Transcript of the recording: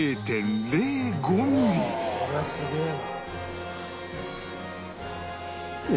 こりゃすげえな。